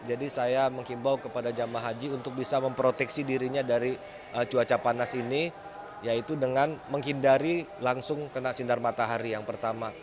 jadi saya menghimbau kepada jamaah haji untuk bisa memproteksi dirinya dari cuaca panas ini yaitu dengan menghindari langsung kena sindar matahari yang pertama